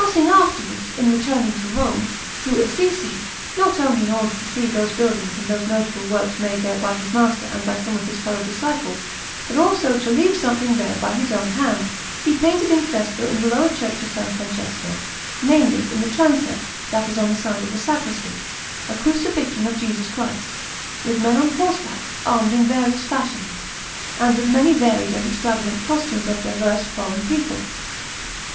Cecilia_)] Passing afterwards, in returning to Rome, through Assisi, not only in order to see those buildings and those notable works made there by his master and by some of his fellow disciples, but also to leave something there by his own hand, he painted in fresco in the lower Church of S. Francesco namely, in the transept that is on the side of the sacristy a Crucifixion of Jesus Christ, with men on horseback armed in various fashions, and with many varied and extravagant costumes of diverse foreign peoples.